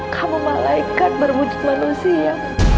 kamu malaikat bermujud manusia